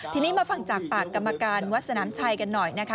ทีนี้มาฟังจากปากกรรมการวัดสนามชัยกันหน่อยนะคะ